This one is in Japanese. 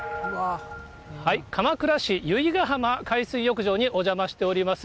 鎌倉市由比ガ浜海水浴場にお邪魔しております。